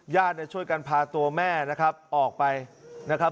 ญาติเนี่ยช่วยกันพาตัวแม่นะครับออกไปนะครับ